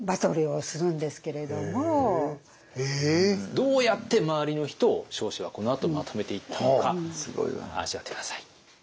どうやって周りの人を彰子はこのあとまとめていったのか味わって下さい。